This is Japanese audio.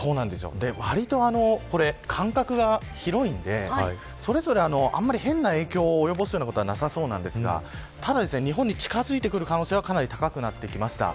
割と間隔が広いんでそれぞれ変な影響を及ぼすことはなさそうなんですがただ、日本に近づいてくる可能性は高くなってきました。